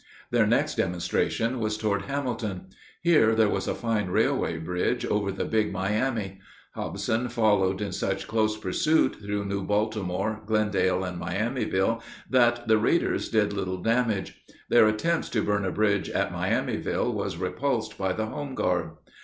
Their next demonstration was toward Hamilton. Here there was a fine railway bridge over the Big Miami. Hobson followed in such close pursuit through New Baltimore, Glendale, and Miamiville that the raiders did little damage. Their attempt to burn a bridge at Miamiville was repulsed by the home guard.